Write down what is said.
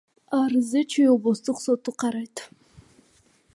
Арызды Чүй облустук соту карайт.